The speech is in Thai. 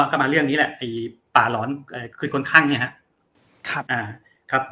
ก็มาเรื่องนี้แหละไอป่าหลอนคืนคนข้างเนี้ยฮะครับอ่าครับ